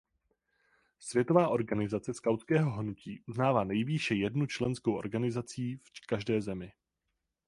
Světová organizace skautského hnutí uznává nejvýše jednu členskou organizací v každé zemi.